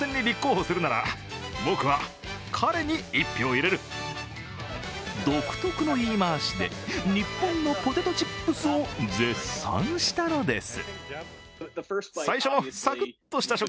それが独特の言い回しで日本のポテトチップスを絶賛したのです。